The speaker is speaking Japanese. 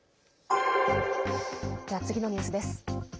次のニュースです。